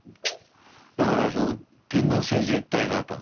だから天皇制絶対だと。